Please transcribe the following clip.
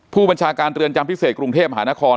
ผู้บัญชาการเรือนจำพิเศษกรุงเทพมหานคร